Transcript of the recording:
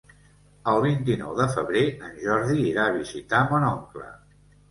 El vint-i-nou de febrer en Jordi irà a visitar mon oncle.